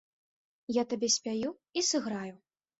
Я табе спяю і сыграю.